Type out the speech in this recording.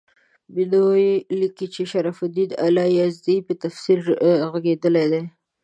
مینوي لیکي چې شرف الدین علي یزدي په تفصیل ږغېدلی دی.